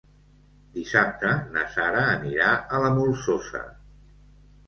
Dissabte na Sara anirà a la Molsosa.